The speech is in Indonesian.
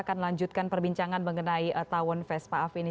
atau konsumennya mungkin lagi bahkan aku eka